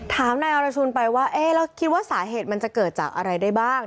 ถามนายอรชุนไปว่าเอ๊ะเราคิดว่าสาเหตุมันจะเกิดจากอะไรได้บ้าง